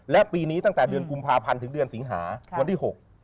และปีนี้ตั้งแต่เดือนกุมภาพันธ์ถึงเดือนสิงหาวันที่๖